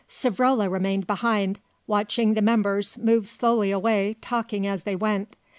Savrola remained behind, watching the members move slowly away talking as they went.